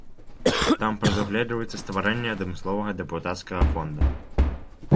Там прадугледжваецца стварэнне адмысловага дэпутацкага фонда.